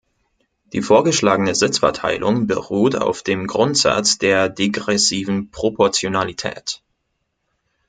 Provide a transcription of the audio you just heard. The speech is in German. Die vorgeschlagene Sitzverteilung beruht auf dem Grundsatz der degressiven Proportionalität.